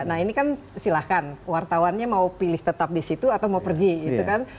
nah ini kan silahkan wartawannya mau pilih tetap di situ atau mau pergi gitu kan